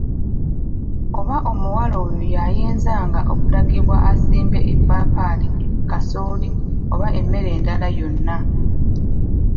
Oba omuwala oyo yayinzanga okulagibwa asimbe eppaapaali, kasooli, oba emmere enganda yonna.